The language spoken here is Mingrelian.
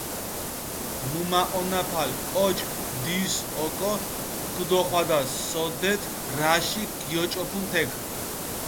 მჷმაჸონაფალი კოჩქ ნდის ოკო ქჷდოხვადას, სოდეთ რაში გიოჭოფუნ თექ.